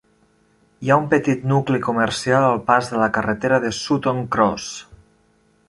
Hi ha un petit nucli comercial al pas de la carretera de Sutton Cross.